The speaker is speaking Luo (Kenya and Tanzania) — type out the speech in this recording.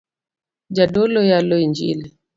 Jadolo yalo injili